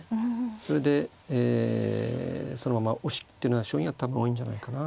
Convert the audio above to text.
それでえそのまま押し切っているような将棋が多分多いんじゃないかな。